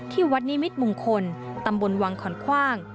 ที่วัดนิมิตมงคลตำบลวังขอนคว่าง